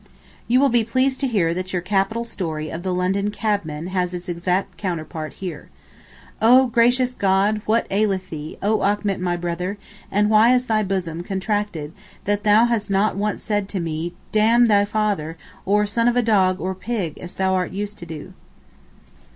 You will be pleased to hear that your capital story of the London cabman has its exact counterpart here. 'Oh gracious God, what aileth thee, oh Achmet my brother, and why is thy bosom contracted that thou hast not once said to me d n thy father, or son of a dog or pig, as thou art used to do.